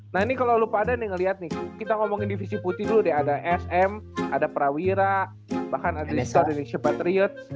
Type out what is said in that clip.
nah ini kalau lupa ada nih ngeliat nih kita ngomongin divisi putih dulu deh ada sm ada prawira bahkan ada distor indonesia patriot